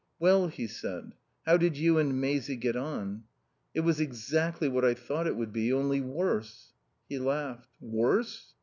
"Well," he said, "how did you and Maisie get on?" "It was exactly what I thought it would be, only worse." He laughed. "Worse?"